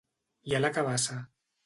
I a la cabassa?